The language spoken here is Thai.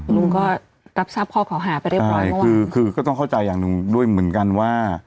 ลุงก็รับทราบข้อเก่าหาไปเรียบร้อยคือคือก็ต้องเข้าใจอย่างหนึ่งด้วยเหมือนกันว่า